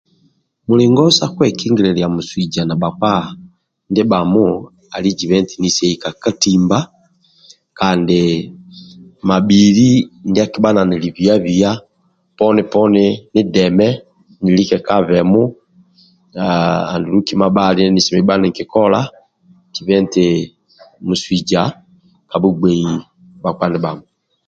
Mulingo sa kwekingililia musuija na bhakpa ndibhamo ali jibe eti nisei ka katimba kandi mabhili ndia akibha nanili biabia poni poni nideme nilike ka bemu andulu haa kima bhali ndie nisemlelelu ni kikola zibe eti musuija kabhugbei bhakpa ndibhamo